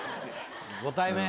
ご対面。